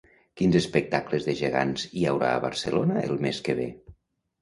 Quins espectacles de gegants hi haurà a Barcelona el mes que ve?